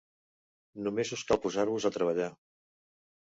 Només us cal posar-vos a treballar.